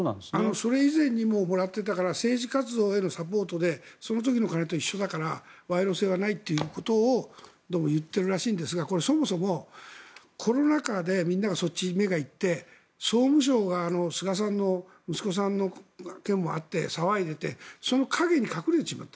それ以前にももらっていたから政治活動へのサポートでその時と一緒だから賄賂性はないということをどうも言っているらしいんですがこれ、そもそも、コロナ禍でみんながそっちに目が行って総務省が菅さんの息子さんの件もあって騒いでいてその陰に隠れてしまった。